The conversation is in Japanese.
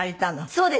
そうです。